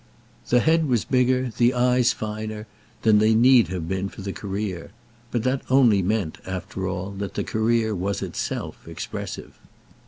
The head was bigger, the eyes finer, than they need have been for the career; but that only meant, after all, that the career was itself expressive.